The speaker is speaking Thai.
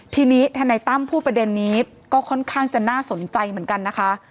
ทีนี้ทนายตั้มพูดประเด็นนี้ก็ค่อนข้างจะน่าสนใจเหมือนกันนะคะ